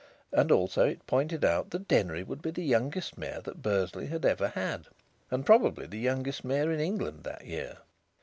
And also it pointed out that Denry would be the youngest mayor that Bursley had ever had, and probably the youngest mayor in England that year.